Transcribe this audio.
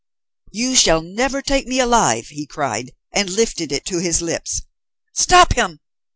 "You shall never take me alive," he cried, and lifted it to his lips. "Stop him!"